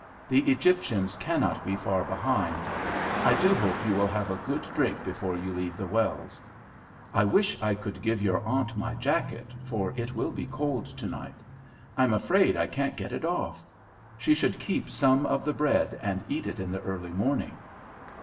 The Egyptians cannot be far behind. I do hope you will have a good drink before you leave the wells. I wish I could give your aunt my jacket, for it will be cold tonight. I'm afraid I can't get it off. She should keep some of the bread, and eat it in the early morning."